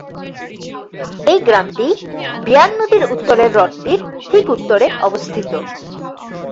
এই গ্রামটি বিয়ার নদীর উত্তরের হ্রদটির ঠিক উত্তরে অবস্থিত।